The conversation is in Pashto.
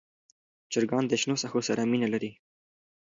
چرګان د شنو ساحو سره مینه لري.